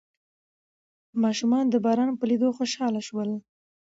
ماشومان د باران په لیدو خوشحال شول.